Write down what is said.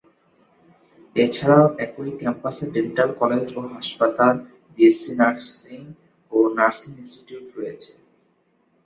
এছাড়াও একই ক্যাম্পাসে ডেন্টাল কলেজ ও হাসপাতাল, বিএসসি নার্সিং ও নার্সিং ইন্সটিটিউট রয়েছে।